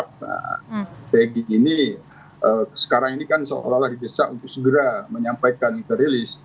pegi ini sekarang ini kan seolah olah dibesak untuk segera menyampaikan kita rilis